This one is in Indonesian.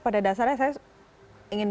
pada dasarnya saya ingin